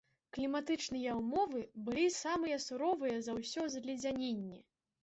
Кліматычныя ўмовы былі самыя суровыя за ўсё зледзяненне.